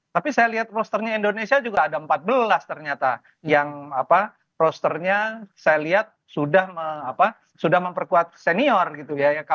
tapi saya lihat prosternya indonesia juga ada empat belas ternyata yang prosternya saya lihat sudah memperkuat senior gitu ya